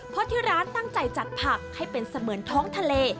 เพราะที่ร้านตั้งใจจัดผักให้เป็นเสมือนท้องทะเล